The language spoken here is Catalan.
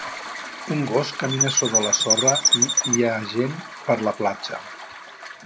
Un gos camina sobre la sorra i hi ha gent per la platja.